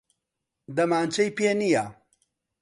دەمانچەی پێ نییە.